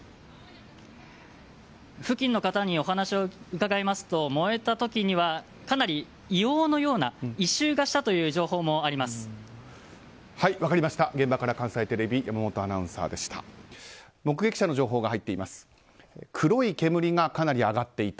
付近の方にお話を伺いますと燃えた時にはかなり硫黄のような異臭がしたという分かりました。